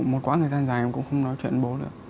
kẹo một quãng thời gian dài em cũng không nói chuyện với bố nữa